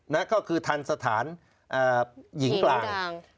นั่นก็คือทันสถานหญิงกลาง